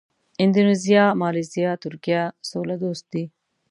اندونیزیا، مالیزیا، ترکیه سوله دوست دي.